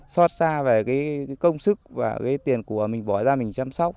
xót xa về công sức và tiền của mình bỏ ra mình chăm sóc